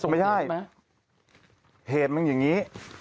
ไม่ใช่เหตุมันอย่างนี้